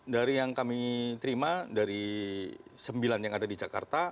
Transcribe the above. dari yang kami terima dari sembilan yang ada di jakarta